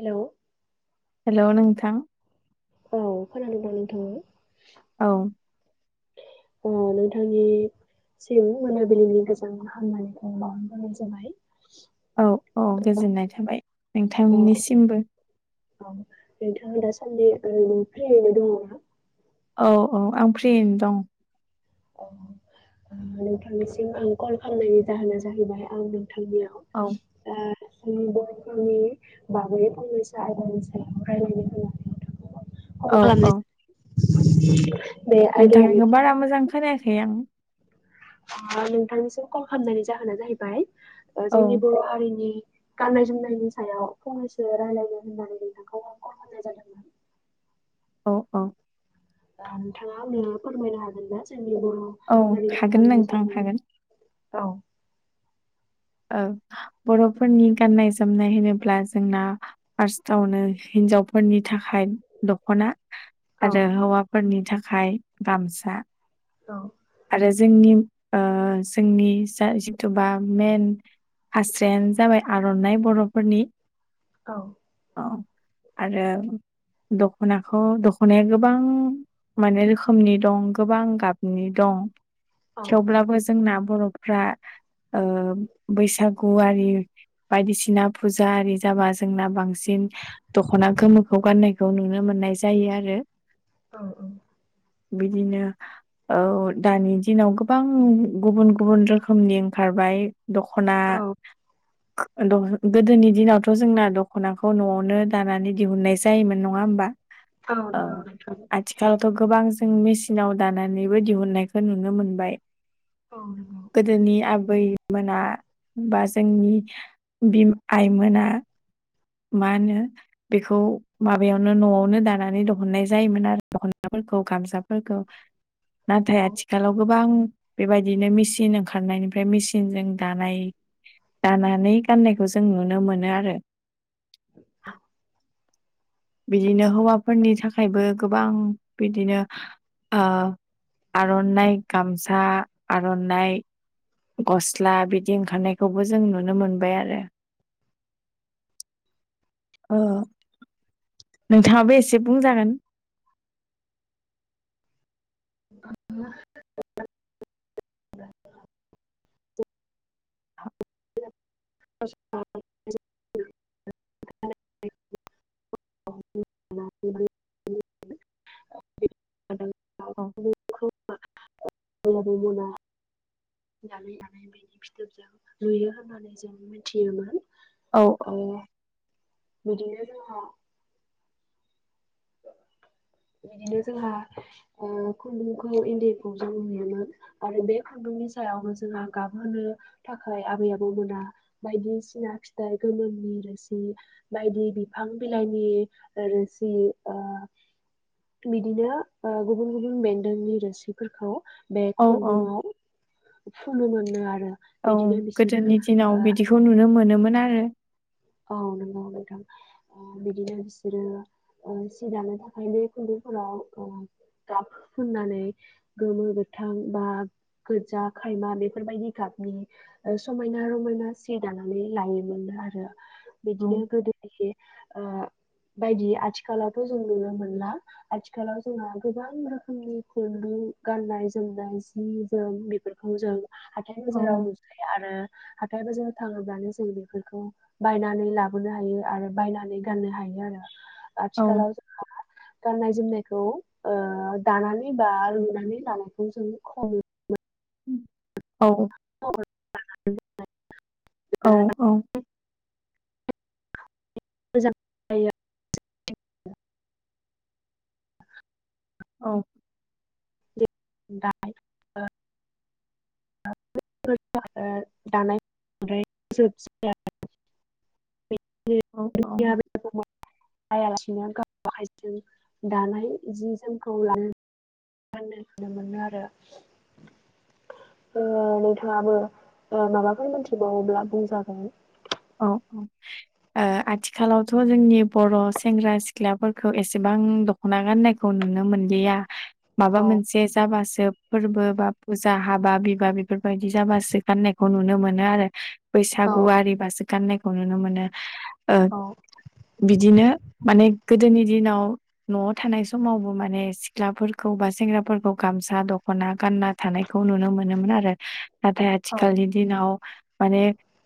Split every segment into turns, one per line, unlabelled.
Hello
hello नोंथां
औ खोनादों ना नोंथाङा
औ
अ नोंथांनिसिम मोनाबिलिनि गोजोन हामलायनायखौ बावहरग्रोनाय जाबाय
औ औ गोजोननाय थाबाय
अ
नोंथांनिसिमबो
औ नोंथाङा दासान्दि [unintelligible] फ्रियैनो दङ' ना
औ औ आं फ्रियैनो दं
औ ओ नोंथांनिसिम आं कल खालामनायनि जाहोना जाहैबाय आं नों थांनियाव
औ
ओ जोंनि बर'फोरनि बागै फंनैसो आयदानि सायाव रायलायनो होनना [unintelligible]
औ औ
[unintelligible] आयदायानो
नोंथांनिखौ बारा मोजां खोनायाखै आं
ओ नोंथांनिसिम कल खामनायनि जाहोना जाहैबाय ओ
औ
जोंनि बर' हारिनि गाननाय जोमनायनि सायाव फंनैसो रायलायनो होननानै नोंथांखौ आं कल खामनाय जादोंमोन
औ औ
दा नोंथाङा आंनो फोरमायनो हागोना जे जोंनि बर'
औ
हारिनि
हागोन
गाननाय
नोंथां हागोन
जोमनाय औ
ओ बर'फोरनि गाननाय जोमनाय होनोब्ला जोंना फार्स्टआवनो [unintelligible] हिन्जावफोरनि थाखाय दख'ना आरो हौवाफोरनि थाखाय गामसा
औ
आरो जोंनि ओ जोंनि जा जिथुबा मेन फास्रायानो जाबाय आर'नाइ बर'फोरनि
औ
औ आरो दख'नाखौ दख'नाया गोबां माने रोखोमनि दं गोबां गाबनि दं थेवब्लाबो जोंना बर'फ्रा ओ बैसागुआरि बायदिसिना फुजा आरि जाबा जोंना बांसिन इन दख'ना गोमोखौ गाननायखौ नुनो मोननाय जायो आरो
औ औ
बिदिनो औ दानि दिनाव गोबां गुबुन गुबुन रोखोमनि ओंखारबाय दख'ना [unintelligible] दह' गोदोनि दिनावथ' जोंना दख'नाखौ न'आवनो दानानै दिहुननाय जायोमोन नङा होमबा ओ
नंगौ नोंथां
आथिखालावथ' गोबां जों मेसिनाव दानानैबो दिहुननाय नुनो मोनबाय
औ नंगौ
गोदोनि आबै मोना बा जोंनि बिमा आइमोना मा होनो बेखौ माबायावनो न'आवनो दानानै दिहुननाय जायोमोन आरो गामसाफोरखौ नाथाय
औ
आथिखालाव गोबां बेबायदिनो मेचिन ओंखारनायनिफ्राय मेचनजों दानाय,, दानानै गाननायखौ जों नुनो मोनो आरो। बिदिनो हौवाफोरनि थाखायबो गोबां बिदिनो आ आर'नाइ गामसा आर'नाइ गस्ला बिदि ओंखारनाय खौबो जों नुनो मोनबाय आरो ओ नोंथाङाबो एसे बुंजागोन।
[unintelligible] [unintelligible] [unintelligible] [unintelligible]
औ
नुनो मोना। नानै दानाय बिनि फिथोबजों नुयो होननानै जों मिथियोमोन।
औ
ओ बिदिनो जोंहा बिदिनो जोंहा खुन्दुंखौ इन्दिखौ जों नुयोमोन आरो बे खुन्दुं नि सायावनो जोंहा गाबहोनो थाखाय आबै आबौ मोना बायदिसिना फिथाइ गोमति रोसि बायदि बिफां बिलाइनि रोसि ओ बिदिनो गुबुन गुबुन बेन्दोंनि रोसिफोरखौ बे
औ औ
खुन्दुंङाव फुनो मोननो आरो।
औ
बिदिनो बिसोरो
गोदोनि दिनाव
ओ
बिदिखौ नुनो मोनोमोन आरो।
औ! नोंगौ नोथां बिदिनो बिसोरो ओ सि दानो थाखाय बे खुन्दुंफोराव ओ गाब फुननानै गोमो गोथां बा गोजा, खायमा बेफोरबायदि गाबनि समायना रमायना सि दानानै लायोमोनो आरो।
औ
बिदिनो गोदोनि इसे ओ बायदि आथिखालावथ' जों नुनो मोनला। आथिखालाव जोंहा गोबां रोखोमनि खुन्दु गाननाय -जोमनाय जि -जोम बेफोरखौ जों हाथाय - बाजाराव नुसोयो आरो हाथाय - बाजाराव थाङोब्लानो जों बेफोरखौनो बायनानै लाबोनो हायो आरो बायनानै गाननो हायो आरो
औ
आथिखालाव जोंहा गाननाय जोमनायखौ दानानै बा लुनानै लानायखौ जों खम
औ औ
[unintelligible]
औ औ
मोजां जायो।
औ।
दा दानाय। [unintelligible]
औ औ
जायालासिनो गाव आखायजों दानाय जि जोमखौ लानो गाननो जोमनो मोनो आरो। नोंथाङाबो माबाफोर मिथिबावोब्ला बुंजागोन।
औ औ आथिखालावथ' जोंनि बर' सेंग्रा सिख्लाफोरखौ एसेबां आं दख'ना गाननायखौ नुनो मोनलिया माबा
औ
मोनसे जाबासो फोरबो बा फुजा हाबा एबा बेफोरबायदि जाबासो गाननायखौ नुनो मोनो आरो
औ
बैसागुआरि बासो गाननायखौ नुनो मोनो ओ
औ
बिदिनो माने गोदोनि दिनाव न'आव थानाय समावबो माने सिख्लाफोरखौ बाय सेंग्राफोरखौ गामसा दख'ना गानना थानायखौ नुनो मोनोमोन आरो। नाथाय
औ
आथिखालनि दिनाव माने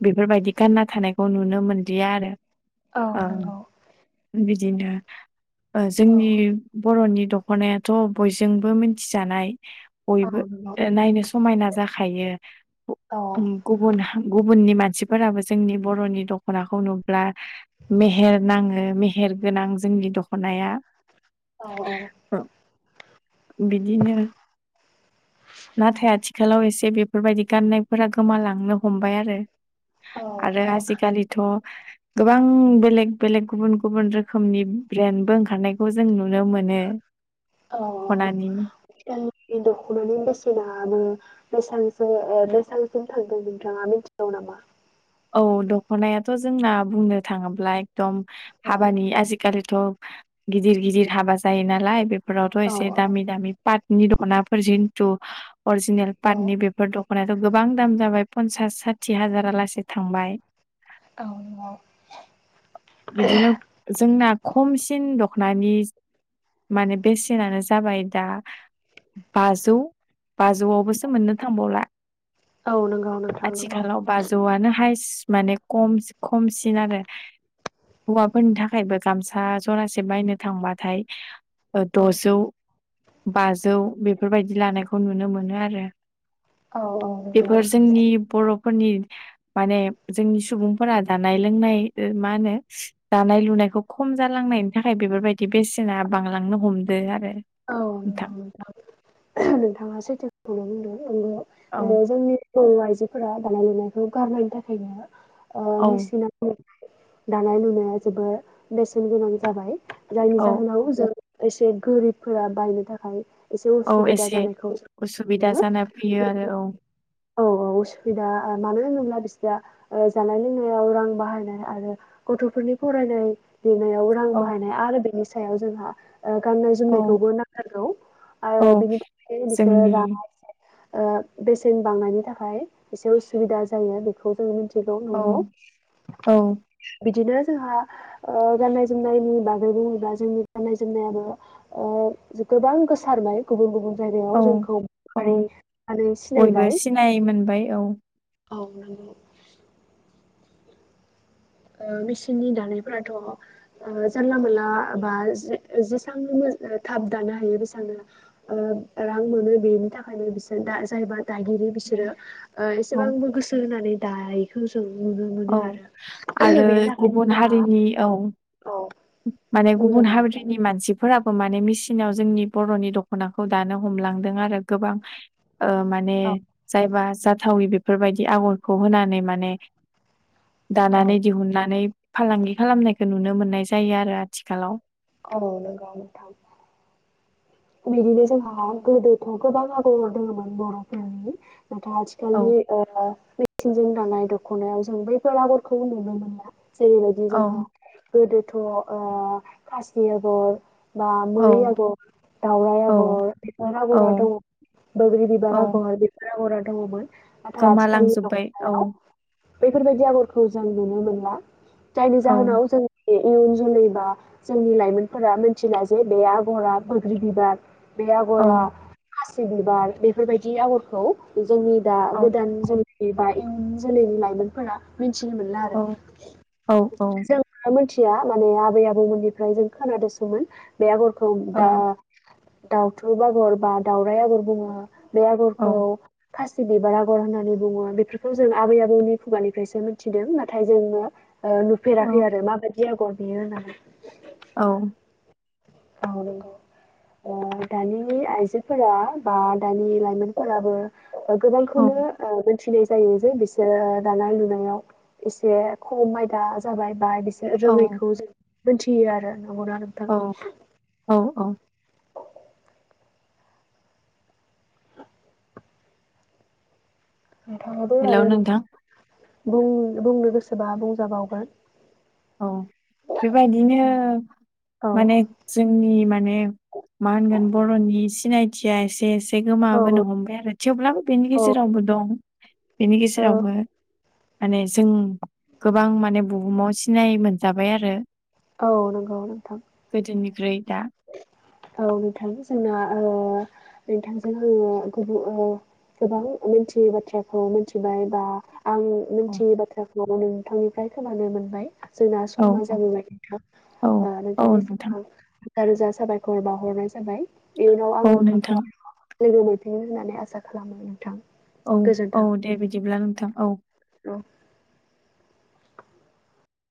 बेफोरबायदि गानना थानायखौ नुनो मोनदिया आरो।
औ
ओ
नंगौ।
बिदिनो
औ
जोंनि बर'नि दख'नायाथ' बयजोंबो मिथिजानाय। बयबो
औ नंगौ
नायनो समायना जाखायो।
औ
गुबुन गुबुननि मानसिफोराबो जोंनि बर'नि दख'नाखौ नुब्ला मेहेर नाङो मेहेर गोनां जोंनि दख'नाया।
औ औ
बिदिनो। नाथाय आथिखालाव एसे बेफोरबायदि गाननायफोरा गोमालांनो हमबाय आरो।
औ
आरो
नंगौ
आजिखालिथ' गोबां बेलेग बेलेग गुबुन गुबुन रोखोमनि ब्रेन्डबो ओंखारनायखौ जों नु
औ
दख'नानि
दख'नानि बेसेनाबो बेसांसो बेसांसिम थांदों नोंथाङा मिथिगौ नामा?
औ दख'नायाथ' जोंना बुंनो थाङोब्ला एकदम
औ
हाबानि आजिखालिथ' गिदिर गिदिर हाबा जायो नालाय बेफोरावथ'
औ
एसे
औ
दामि दामि पाटनि द दखनाफोर जिन्तु अरिजिनेल
औ
पातनि बेफोर द दखनायाथ' गोबां दाम जाबाय पनसास साथि हाजारालासे थांबाय।
औ नंगौ।
बिदिनो जोंना खमसि सिन दख'नानि माने बेसेनानो जाबाय दा बाजौ बाजौआवबोसो मोननो थांबावला
औ नंगौ नोंथां नंगौ
आथिखालाव बाजौआनो हाइस माने खमसिन आरो हौवाफोरनि थाखायबो गामसा जरासे बायनो थांबाथाय
औ।
द'जौ बाजौ बेफोरबायदि लानायखौ नुनो मोनो आरो।
औ औ नंगौ।
बेफोर जोंनि बर'फोरनि माने जोंनि सुबुंफोरा जानाय लोंनाय मा होनो दानाय लुनायखौ खम जालां नायनि थाखाय बेफोरबायदि बेसेना बांलांनो हमदो आरो।
औ
नोंथां
नोंथां नोंथाङा सैथोखौनो बुंदों नंगौ।
औ
ओ जोंनि बर' आइजोफोरा दानाय लुनायखौ गारनायनि थाखायनो
औ
मेसिन दानाय लुनाया जोबोद बेसेन गोनां जाबाय। जायनि
औ
जाहोनाव जों एसे गोरिबफोरा बायनो थाखाय एसे
औ
उसुबिदा
एसे
जानायखौ
उसुबिदा
मोनो
जाना फैयो आरो औ
औ औ। उसुबुबिदा मानो होनोब्ला बिसोरा जानाय लोंनायाव रां बाहायनाय आरो गथ'फोरनि फरायनाय लिरनायाव रां
औ
बाहायनाय आरो बेनि सायाव जोंहा गाननाय
औ
जोमनायखौबो नांथारगौ आरो
औ
बिनि थाखाय बिसोर
जोंनि
राङा एसे ओ बेसेन बांनायनि थाखाय एसे उसुबिदा जायो बेखौ जोङो मिनथि नंगौ
औ
नंगौ
औ
बिदिनो। जोंहा ओ गाननाय जोमनायनि बागै बुङोब्ला जोंनि गाननाय जोमनायाबो ओ गोबां गोसारबाय गुबुन गुबुन जायगायाव
औ
जोंखौ
औ
बर' हारि
बयबो
सिनायबाय
सिनाय मोनबाय औ।
औ नांगौ। ओ मेसिननि दानायफोराथ' जानला मोनला बा जेसबां थाब दानो हायो बिसांनो रां मोनो बेनि थाखायनो बिसोरा जायबा दागिरि बिसोरो
औ
एसेबांबो गोसो होनानै दायैखौ जों नुनो मोनो
औ
आरो
आरो
बेनि थाखायनो
गुबुन
जोंहा
हारिनि औ
औ
माने गुबुन
बुंजागोन नोंथां
हारिनि मानसिफोराबो माने मेसिनाव जोंनि बर'नि दख'नाखौ दानो हमलांदों आरो गोबां। ओ माने जायबा जाथायि बेफोरबायदि आगरखौ होनानै माने
औ
दानानै दिहुननानै फालांगि खालामनायखौ नुनो मोननाय जायो आरो आथिखालाव।
औ नंगौ नोंथां। बिदिनो जोंहा गोदोथ' गोबां आगर दङोमोन बर'फोरनि। दाथ'
औ
आजखाललि ओ थिंजों दानाय दख'नायाव जों बैफोर आगरखौ नुनो मोनला जेरैबायदि जोंहा
औ
गोदोथ' अ खासि आगर बा
औ
मै आगर दावराय
औ
आगर बिबार आगरा
औ
दङमोन बोग्रि बिबार आगर बिबार आगरा दङमोन। नाथाय आथिखालनि
गोमालांजोबबाय औ।
दख'नायाव बेफोरबायदि आगरखौ जों नुनो मोनला जायनि
औ
जाहोनाव जों बे इयुन जोलै बा जोंनि लाइमोनफोरा मिथिला जे बे आगरा बोग्रि बिबार बे
औ
आग'रा खासि बिबार बेफोरबायदि आग'रखौ जोंनि दा
औ
गोदान जोलै बा इयुन जोलैनि लाइमोनफोरा मिन थिनो मोनला आरो
औ
जों मोनथि -या माने आबै -आबौ मोननिफ्राय जों खोनादोंसोमोन बे आगरखौ दा
औ
दाउथुब आगर बा दावराइ आगर बुङो बे आगरखौ
औ
खासि बिबार आगर होननानै बुङो बेफोरखौ जों आबै- आबौनि खुगानिफ्रायसो मिथिदों नाथाय जोङो अ होफेराखै
औ
आरो माबायदि आगर बेयो होननानै।
औ।
औ नंगौ। ओ दानि आइजोफोरा बा दानि लाइमोनफोराबो
औ
गोबांखौनो ओ थिनाय जायो जे बिसोरो दानाय लुनायाव एसे खम आयदा जाबाय बा बिसोर
औ
रोङैखौ जों मोनथियो आरो नंगौना नोंथां?
औ औ औ
नोंथां आबो
हेलौ
आरो
नोंथां
बुं -बुंनो गोसोबा बुंजाबावगोन।
औ बेबायदिनो
औ
माने जोंनि माने मा होनगोन बर'नि सिनायथिया एसे त्एसे
औ
गोमाबोनो
औ
हमबाय आरो थेवब्लाबो बेनि
औ
गेजेरावबो दं। बेनि
औ
गेजेरावबो माने जों गोबां माने बुहुमाव सिनाय मोनजाबाय आरो।
औ नंगौ औ नोंथां।
गोदोनिख्रुइ दा
[inaudible] औ नोंथां जोंना ओ नोंथांजों आङो गुबुन ओ गोबां मिथियै बाथ्राखौ मिथिबाय बा आं
औ
मिथियै बाथ्राखौ नोंथांनिफ्राय खोनानो मोनबाय। जोंना
औ
समा जाबोबाय नोंथां
औ
ओ
औ
नोंथांनिसिम
नोंथां
आं रोजा -रोजा साबायखर बावाहरनाय जाबाय इयनाव आं
औ
नोंथांखौ
नोंथां
लोगो मोनसिनगोन होननानै आसा खालामो नोंथां।
औ
गोजोन्थों
-औ दे बिदिब्ला नोंथां औ।
औ।